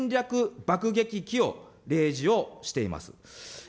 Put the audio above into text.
そして戦略爆撃機を例示をしています。